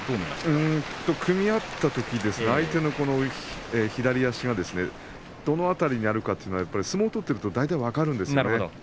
組み合ったときに相手の左足がどの辺りにあるのかということを相撲を取ってると分かるんですね。